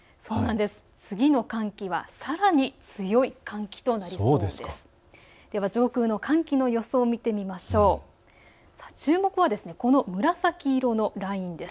次の寒気はさらに強い寒気となりそうです。